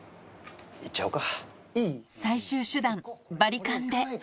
いっちゃおうか。